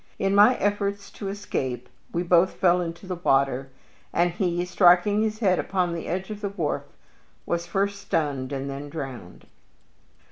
In my efforts to escape we both fell into the water, and he, striking his head upon the edge of the wharf, was first stunned and then drowned."